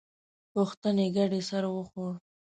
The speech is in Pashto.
پوښتنې ګډې سر وخوړ.